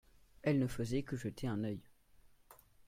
elle ne faisait que jeter un œil.